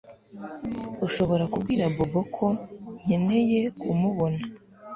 Ushobora kubwira Bobo ko nkeneye kumubona